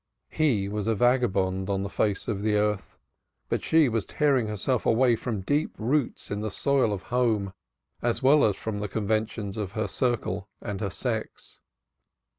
He was a vagabond on the face of the earth, but she was tearing herself away from deep roots in the soil of home, as well as from the conventions of her circle and her sex.